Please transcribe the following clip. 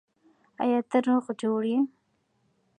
آیا ته روغ جوړ یې؟